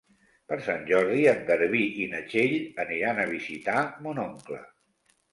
Per Sant Jordi en Garbí i na Txell aniran a visitar mon oncle.